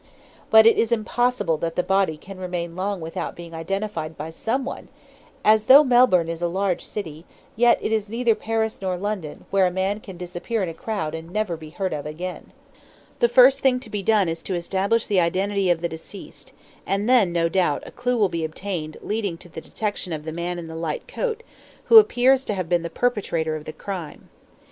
But it is impossible that the body can remain long without being identified by someone, as though Melbourne is a large city, yet it is neither Paris nor London, where a man can disappear in a crowd and never be heard of again. The first thing to be done is to establish the identity of the deceased, and then, no doubt, a clue will be obtained leading to the detection of the man in the light coat who appears to have been the perpetrator of the crime.